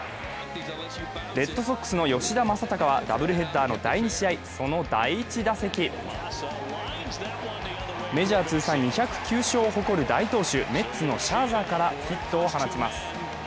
レッドソックスの吉田正尚はダブルヘッダーの第２試合、その第１打席メジャー通算２０９勝を誇る大投手、メッツのシャーザーからヒットを放ちます。